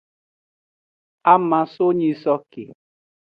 Ama so nyisoke.